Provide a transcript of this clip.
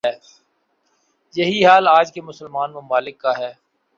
یہی حال آج کے مسلمان ممالک کا ہے ۔